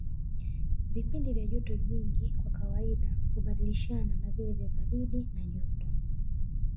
Vipindi vya joto jingi kwa kawaida hubadilishana na vile vya baridi na joto